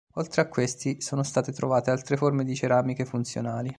Oltre a questi, sono state trovate altre forme di ceramiche funzionali.